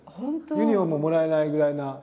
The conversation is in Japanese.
ユニフォームももらえないぐらいな。